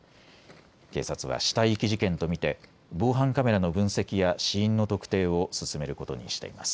警察は死体遺棄事件と見て防犯カメラの分析や死因の特定を進めることにしています。